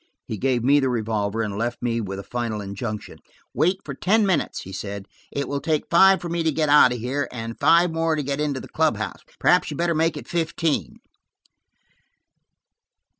He gave me the revolver and left me with a final injunction. "Wait for ten minutes," he said. "It will take five for me to get out of here, and five more to get into the club house. Perhaps you'd better make it fifteen."